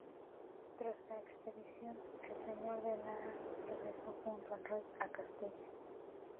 Tras la expedición, el señor de Lara regresó junto al rey a Castilla.